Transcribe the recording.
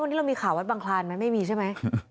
วันนี้เรามีข่าววัดบังคลานไหมไม่มีใช่ไหม